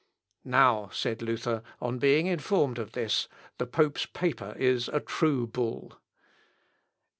" "Now," said Luther, on being informed of this, "the pope's paper is a true bull."